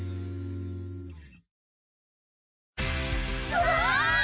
うわ！